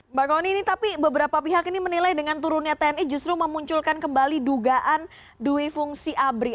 mbak kony ini tapi beberapa pihak ini menilai dengan turunnya tni justru memunculkan kembali dugaan due fungsi abri